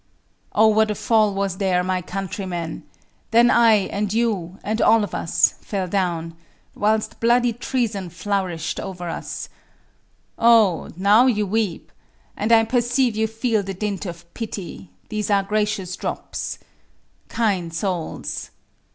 Oh what a fall was there, my countrymen! Then I and you, and all of us, fell down, Whilst bloody treason flourish'd over us. Oh! now you weep; and I perceive you feel The dint of pity; these are gracious drops. Kind souls!